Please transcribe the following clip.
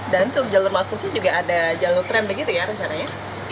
dan untuk jalur masuknya juga ada jalur tram begitu ya rencananya